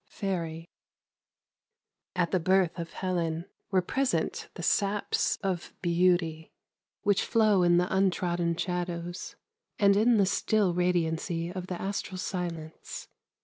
— FAIRY. AT the birth of Helen were present the saps of beauty which flow in the untrodden shadows and in the still radiancy of the astral silence.